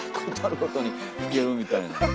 事あるごとに吹けるみたいな。